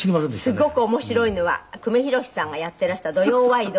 すごく面白いのは久米宏さんがやってらした『土曜ワイド』？